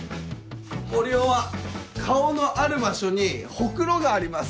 森生は顔のある場所にホクロがあります。